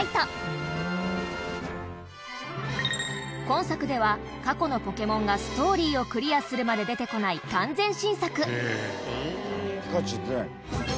今作では、過去のポケモンがストーリーをクリアするまで出てこない、完全新作太田：ピカチュウ出ないの？